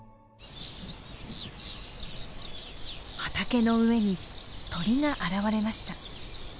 畑の上に鳥が現れました。